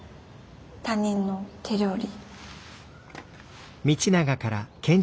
他人の手料理。